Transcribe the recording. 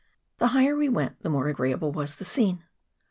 The higher we went, the more agreeable was the scene.